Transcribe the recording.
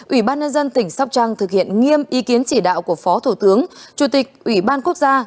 ủy ban nhân dân tỉnh sóc trăng thực hiện nghiêm ý kiến chỉ đạo của phó thủ tướng chủ tịch ủy ban quốc gia